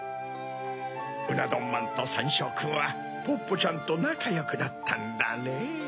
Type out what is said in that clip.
うなどんまんとサンショウくんはポッポちゃんとなかよくなったんだねぇ。